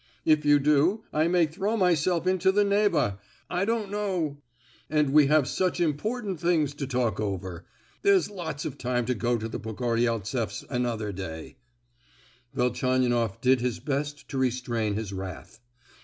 If you do, I may throw myself into the Neva—I don't know!—and we have such important things to talk over. There's lots of time to go to the Pogoryeltseffs another day." Velchaninoff did his best to restrain his wrath.